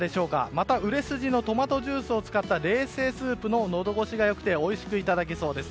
また、売れ筋のトマトジュースを使った冷製スープも、のど越しが良くておいしくいただけそうです。